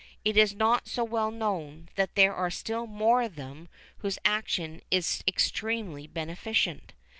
It is not so well known that there are still more of them whose action is extremely beneficent.